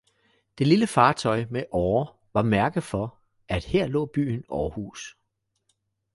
det lille fartøj med årer var mærke for, at her lå byen Århus.